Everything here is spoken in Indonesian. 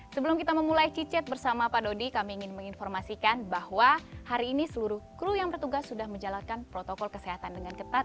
sebelum kita memulai cicat bersama pak dodi kami ingin menginformasikan bahwa hari ini seluruh kru yang bertugas sudah menjalankan protokol kesehatan dengan ketat